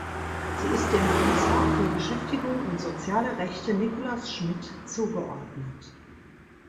Sie ist dem Kommissar für Beschäftigung und soziale Rechte Nicolas Schmit zugeordnet.